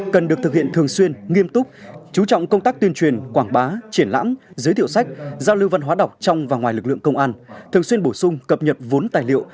cho lưu văn hóa đọc trong và ngoài lực lượng công an thường xuyên bổ sung cập nhật vốn tài liệu